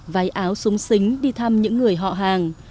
váy áo súng xính đi thăm những người họ hàng